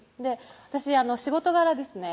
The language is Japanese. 私仕事柄ですね